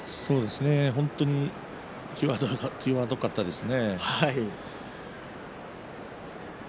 本当に際どかったですね。